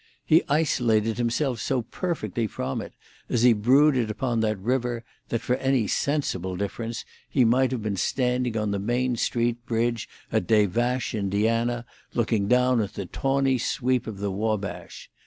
He isolated himself so perfectly from it, as he brooded upon the river, that, for any sensible difference, he might have been standing on the Main Street Bridge at Des Vaches, Indiana, looking down at the tawny sweep of the Wabash.